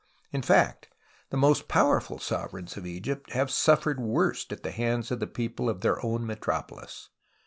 In fact, the most ])owerful sovereigns of Egypt have suffered worst at the hands of the people of their own metropolis.